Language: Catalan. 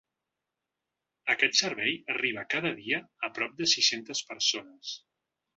Aquest servei arriba cada dia a prop de sis-centes persones.